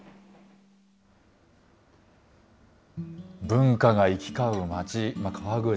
文化が行き交う街、川口。